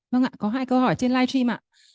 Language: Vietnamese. vâng ạ có hai câu hỏi trên live stream ạ